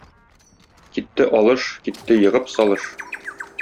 Китте алыш, китте егып салыш.